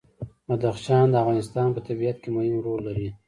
بدخشان د افغانستان په طبیعت کې مهم رول لري.